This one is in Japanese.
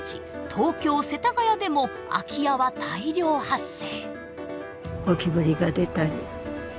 東京・世田谷でも空き家は大量発生。